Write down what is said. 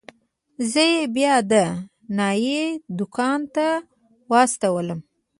زه يې بيا د نايي دوکان ته واستولم.